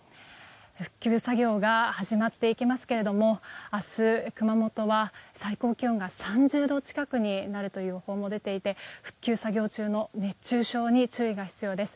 復旧作業が始まっていきますけど明日、熊本は最高気温が３０度近くになるという予報も出ていて復旧作業中の熱中症にも注意が必要です。